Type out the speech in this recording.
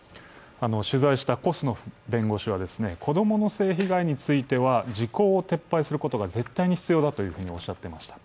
取材したコスノフ弁護士は子供の性被害については時効を撤廃することが絶対に必要だとおっしゃっていました。